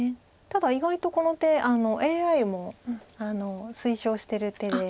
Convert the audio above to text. ただ意外とこの手ＡＩも推奨してる手で。